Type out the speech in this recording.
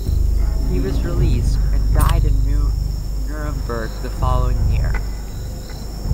He was released, and died in Nuremberg the following year.